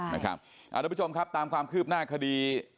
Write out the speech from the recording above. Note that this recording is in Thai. ทุกผู้ชมครับตามความคืบหน้าคดี